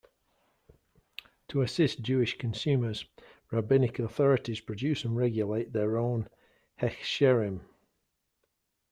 To assist Jewish consumers, rabbinic authorities produce and regulate their own "hechsherim".